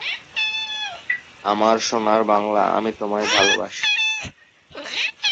কিন্তু তখন থেকে এই ধারণাকে অনেক দিক থেকে খণ্ডন করা হয়েছে।